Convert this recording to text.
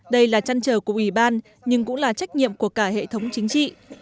đây là trăn trở của ủy ban nhưng cũng là trách nhiệm của cả hệ thống chính trị